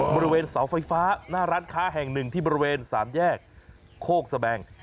บริเวณเสาไฟฟ้าหน้าร้านค้าแห่งหนึ่งที่บริเวณสามแยกโคกสแบง